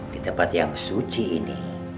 di tempat yang suci ini